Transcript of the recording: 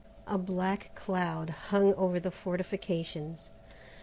A black cloud hung over the fortifications.